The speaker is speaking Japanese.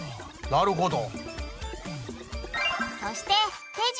なるほど。